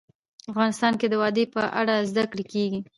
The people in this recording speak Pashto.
افغانستان کې د وادي په اړه زده کړه کېږي.